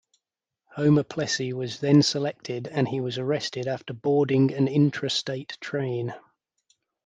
Homer Plessy was then selected and he was arrested after boarding an intrastate train.